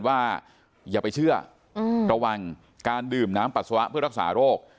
ว่าอย่าไปเชื่อระวังการดื่มน้ำปัสสาวะเพื่อรักษาโรค